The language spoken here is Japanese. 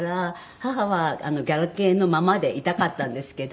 母はガラケーのままでいたかったんですけど。